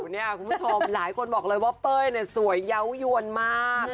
เนี่ยคุณผู้ชมหลายคนบอกเลยว่าเป้ยเนี่ยสวยเยาว์ยวนมาก